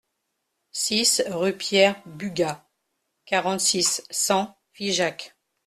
six rue Pierre Bugat, quarante-six, cent, Figeac